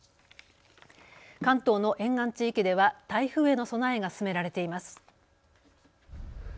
関東の沿岸地域では台風への備えが進められています。